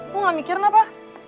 lo gak mikirin apa